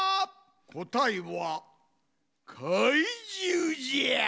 こたえは「かいじゅう」じゃ。